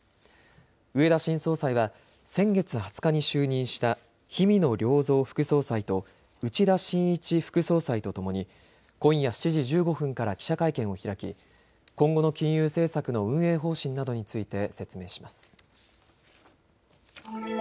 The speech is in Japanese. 植田新総裁は先月２０日に就任した氷見野良三副総裁と内田眞一副総裁とともに今夜７時１５分から記者会見を開き、今後の金融政策の運営方針などについて説明します。